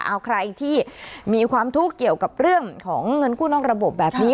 เอาใครที่มีความทุกข์เกี่ยวกับเรื่องของเงินกู้นอกระบบแบบนี้